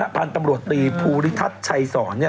พันธุ์ตำรวจตรีภูริทัศน์ชัยศรเนี่ย